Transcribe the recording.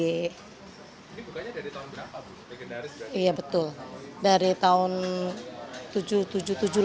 ini bukannya dari tahun berapa bu legendaris iya betul